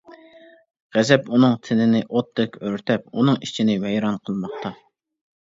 غەزەپ ئۇنىڭ تېنىنى ئوتتەك ئۆرتەپ، ئۇنىڭ ئىچىنى ۋەيران قىلماقتا.